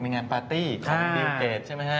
มีงานปาร์ตี้กับบิลเกจใช่ไหมฮะ